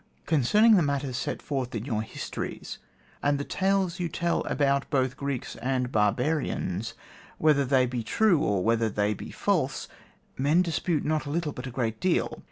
Concerning the matters set forth in your histories, and the tales you tell about both Greeks and barbarians, whether they be true, or whether they be false, men dispute not little but a great deal.